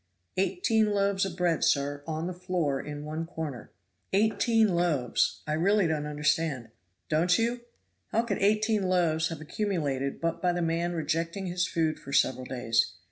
"Eighteen loaves of bread, sir, on the floor in one corner." "Eighteen loaves; I really don't understand." "Don't you? how could eighteen loaves have accumulated but by the man rejecting his food for several days?